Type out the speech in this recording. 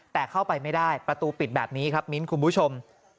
แต่เข้าไปไม่ได้ประตูปิดแบบนี้ครับมิ้นคุณผู้ชม